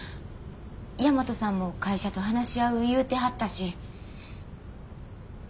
大和さんも会社と話し合う言うてはったし。